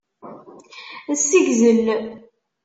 Ssegzel.